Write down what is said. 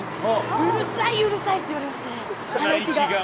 うるさい、うるさいって言われまして。